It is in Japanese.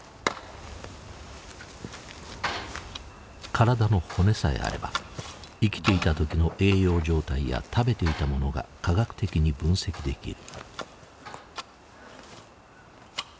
体の骨さえあれば生きていた時の栄養状態や食べていたものが科学的に分析できる。